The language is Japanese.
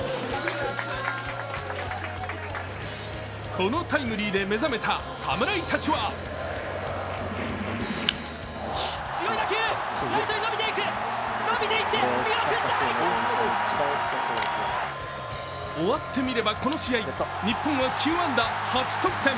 このタイムリーで目覚めた侍たちは終わってみればこの試合、日本は９安打、８得点。